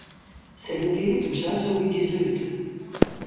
Сальымгьари дгвжважвауа ауи дизыгӏвтӏ.